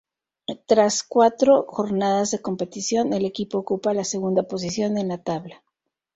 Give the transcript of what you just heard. Tras cuatro jornadas de competición, el equipo ocupa la segunda posición en la tabla.